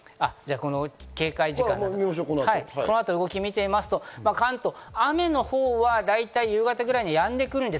この後の動きを見てみますと、関東、雨のほうは大体、夕方くらいにやんでくるんです。